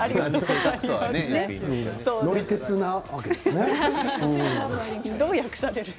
乗り鉄なわけですね。